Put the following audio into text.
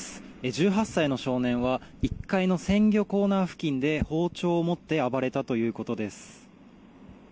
１８歳の少年は１階の鮮魚コーナー付近で包丁を持って暴れたということです。